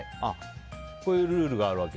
こういうルールがあるわけ？